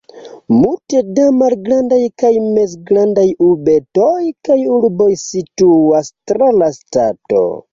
Multe da malgrandaj kaj mezgrandaj urbetoj kaj urboj situas tra la ŝtato.